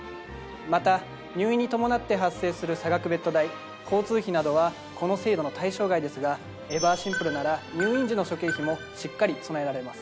また入院に伴って発生する差額ベッド代交通費などはこの制度の対象外ですがＥＶＥＲシンプルなら入院時の諸経費もしっかり備えられます。